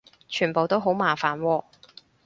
全部都好麻煩喎